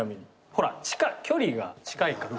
ほら距離が近いから。